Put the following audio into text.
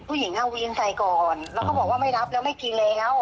ผู้หญิงเอาวีนใส่ก่อนแล้วก็บอกว่าไม่รับแล้วไม่กินแล้ว